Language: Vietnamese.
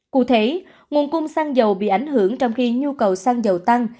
cụ thể nguồn cung xăng dầu bị ảnh hưởng trong khi nhu cầu xăng dầu tăng